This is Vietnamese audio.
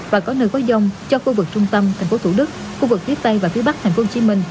và có nơi có dông cho khu vực trung tâm thành phố thủ đức khu vực phía tây và phía bắc tp hcm